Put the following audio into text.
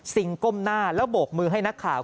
ก้มหน้าแล้วโบกมือให้นักข่าว